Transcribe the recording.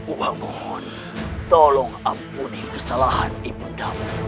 wa mohon tolong ampuni kesalahan ibu anda